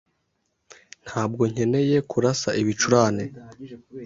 Ntabwo nkeneye kurasa ibicurane.